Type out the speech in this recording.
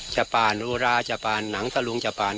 จับผ่านอุราจับผ่านหนังทะลุงจับผ่าน